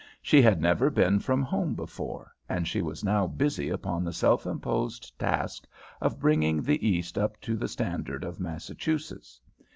She had never been from home before, and she was now busy upon the self imposed task of bringing the East up to the standard of Massachusetts.